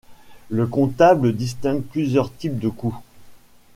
Le comptable distingue plusieurs types de coûts.